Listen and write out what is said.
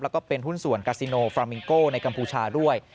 แล้วก็เป็นหุ้นส่วนกาซิโนฟรามิงโก้ในกัมพูชาด้วย